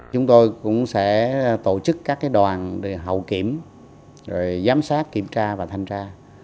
chúng tôi cũng sẽ tổ chức các đoàn hậu kiểm giám sát kiểm tra và thanh tra